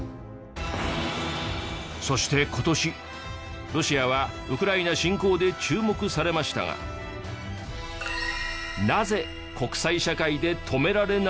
そして今年ロシアはウクライナ侵攻で注目されましたがなぜ国際社会で止められない？